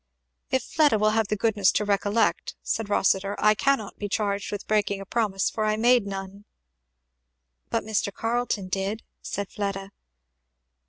"If Fleda will have the goodness to recollect," said Rossitur, "I cannot be charged with breaking a promise, for I made none." "But Mr. Carleton did," said Fleda.